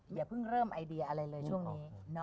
อย่าเพิ่งเริ่มไอเดียอะไรเลยช่วงนี้